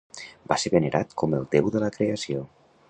Va ser venerat com el déu de la creació.